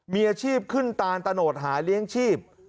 มีอาชีพขึ้นตานตะโนดหาเลี้ยงชีพ